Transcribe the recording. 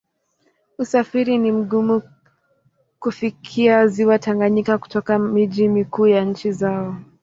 Usafiri ni mgumu kufikia Ziwa Tanganyika kutoka miji mikuu ya nchi zao.